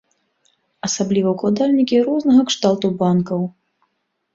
Асабліва ўладальнікі рознага кшталту банкаў.